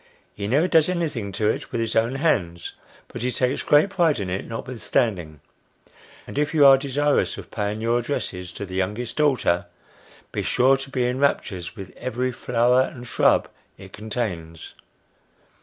He never does anything to it with his own hands ; but he takes great pride in it notwithstanding ; and if you are desirous of paying your addresses to the youngest daughter, be sure to be in raptures with every flower and shrub it contains.